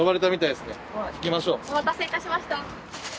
お待たせいたしました。